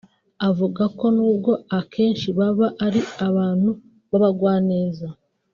avuga ko nubwo akenshi baba ari abantu b’abagwaneza